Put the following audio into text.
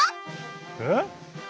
えっ？